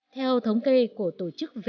theo thống kê của tổ chức who